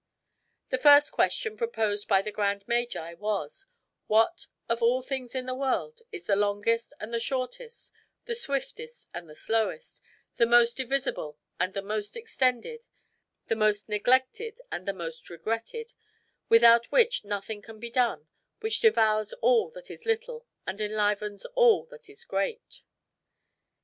The first question proposed by the grand magi was: "What, of all things in the world, is the longest and the shortest, the swiftest and the slowest, the most divisible and the most extended the most neglected and the most regretted, without which nothing can be done, which devours all that is little, and enlivens all that is great?"